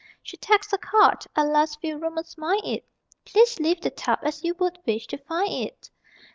She tacks a card (alas, few roomers mind it) _Please leave the tub as you would wish to find it!